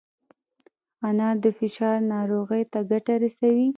انار د فشار ناروغۍ ته ګټه رسوي.